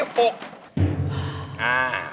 อ่า